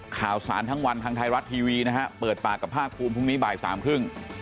ข่าวสารทั้งวันทางไทยรัฐทีวีนะฮะเปิดปากกับภาคภูมิพรุ่งนี้บ่ายสามครึ่ง